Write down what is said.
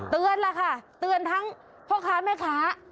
ล่ะค่ะเตือนทั้งพ่อค้าแม่ค้า